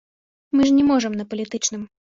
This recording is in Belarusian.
Мы ж не можам на палітычным.